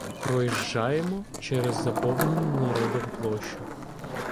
Проїжджаємо через заповнену народом площу.